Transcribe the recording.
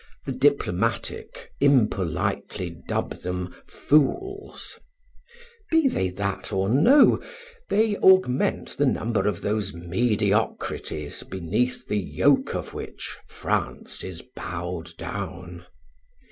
The diplomatic impolitely dub them fools. Be they that or no, they augment the number of those mediocrities beneath the yoke of which France is bowed down.